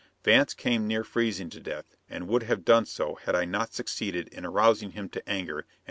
Vance came near freezing to death, and would have done so had I not succeeded in arousing him to anger and getting him off the mare.